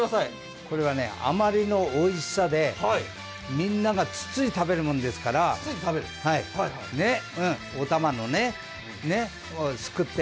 これはあまりのおいしさで、みんながつついて食べるものですから、おたまのね、すくって。